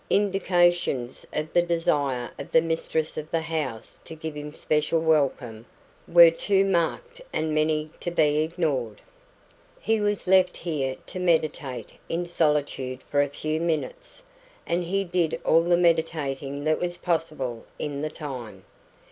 Indications of the desire of the mistress of the house to give him special welcome were too marked and many to be ignored. He was left here to meditate in solitude for a few minutes, and he did all the meditating that was possible in the time.